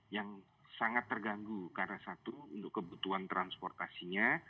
yang sangat terganggu karena satu untuk kebutuhan transportasinya